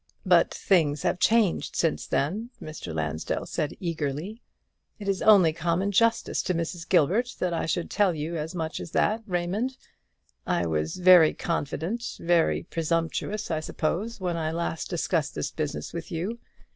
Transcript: "But things have changed since then," Mr. Lansdell said, eagerly. "It is only common justice to Mrs. Gilbert that I should tell you as much as that, Raymond. I was very confident, very presumptuous, I suppose, when I last discussed this business with you.